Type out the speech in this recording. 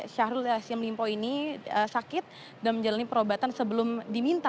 syahrul yassin limpo ini sakit dan menjalani perobatan sebelum diminta